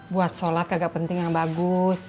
buat sholat agak penting yang bagus